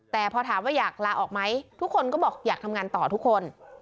แต่พอถามว่าอยากลาออกไหมทุกคนก็บอกอยากทำงานต่อทุกคน